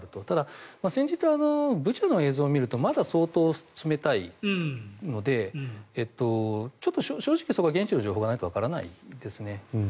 ただ、先日のブチャの映像を見るとまだ相当、冷たいのでちょっと正直、そこは現地の情報がないとわからないですね。